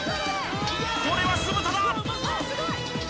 これは酢豚だ！